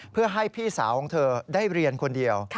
เพื่อให้พี่สาวของเธอได้เรียนคนเดียว